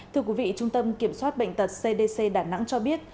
thưa quý vị trung tâm kiểm soát bệnh tật cdc đà nẵng cho biết